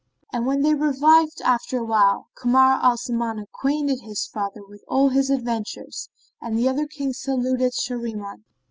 And when they revived after a while, Kamar al Zaman acquainted his father with all his adventures and the other Kings saluted Shahriman.